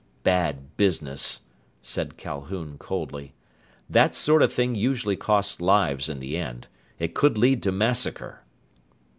"Bad business," said Calhoun coldly. "That sort of thing usually costs lives in the end. It could lead to massacre!"